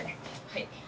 はい。